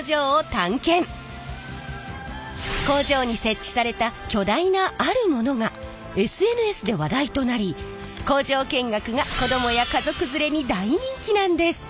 工場に設置された巨大なあるものがＳＮＳで話題となり工場見学が子どもや家族連れに大人気なんです。